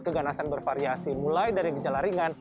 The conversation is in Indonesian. keganasan bervariasi mulai dari gejala ringan